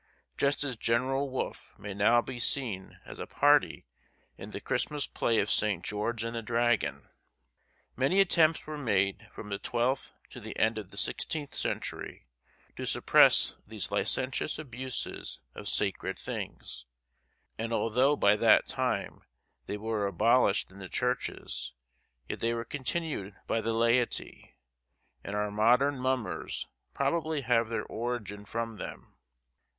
just as General Wolfe may now be seen as a party in the Christmas play of St. George and the Dragon. Many attempts were made from the twelfth to the end of the sixteenth century to suppress these licentious abuses of sacred things; and although by that time they were abolished in the churches, yet they were continued by the laity, and our modern mummers probably have their origin from them.